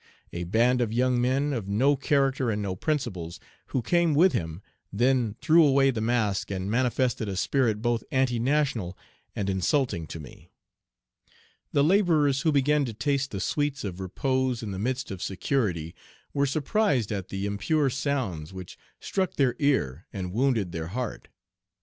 A band of young men, of no character and no principles, who came with him, then threw away the mask, and manifested a spirit both anti national and insulting to me. "The laborers, who began to taste the sweets of repose in the midst of security, were surprised at the impure sounds which struck their ear and wounded their heart.